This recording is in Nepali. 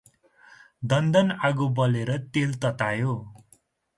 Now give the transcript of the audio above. दनदन आगो बालेर तेल ततायो ।